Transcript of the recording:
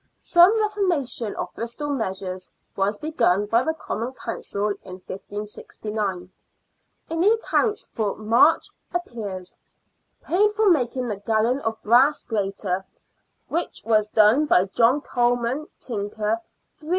Some reformation of Bristol measures was begun by the Common Council in 1:569. In the accounts for March appears :" Paid for making the gallon of brass greater, which was done by John Coleman, tinker, 3s.